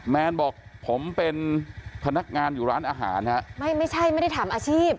แนนบอกผมเป็นพนักงานอยู่ร้านอาหารฮะไม่ไม่ใช่ไม่ได้ทำอาชีพ